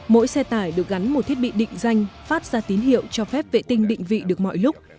mỗi xe tải được gắn một thiết bị định danh phát ra tín hiệu cho phép vệ tinh định vị được mọi lúc